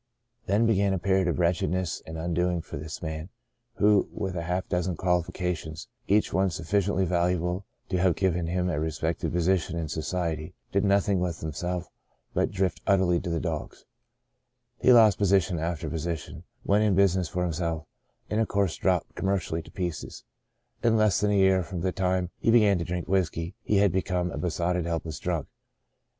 Then began a period of wretchedness and undoing for this man who, with half a dozen qualifications, each one sufficiendy valuable to have given him a respected position in society, did nothing with himself but drift utterly to the dogs. He lost position after position, went in business for himself, and of Saved to the Uttermost 189 course dropped, commercially, to pieces. In less than a year from the time he began to drink whiskey, he had become a besotted, helpless drunkard.